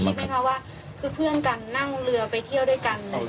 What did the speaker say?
คิดไหมคะว่าคือเพื่อนกันนั่งเรือไปเที่ยวด้วยกัน